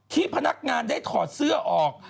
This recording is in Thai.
พนักงานได้ถอดเสื้อออก